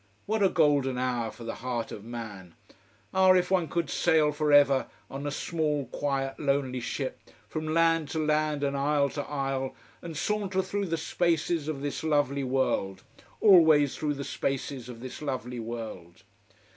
What a golden hour for the heart of man! Ah if one could sail for ever, on a small quiet, lonely ship, from land to land and isle to isle, and saunter through the spaces of this lovely world, always through the spaces of this lovely world.